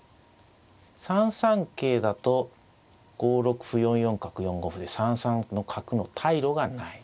３三桂だと５六歩４四角４五歩で３三の角の退路がない。